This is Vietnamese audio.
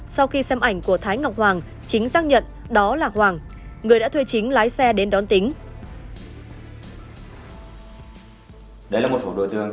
sau khi xem ảnh của thái ngọc hoàng chính xác nhận đó là hoàng người đã thuê chính lái xe đến đón tính